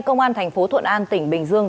công an tp thuận an tỉnh bình dương